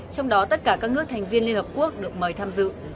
trong đó tất cả các nước thành viên liên hợp quốc được mời tham dự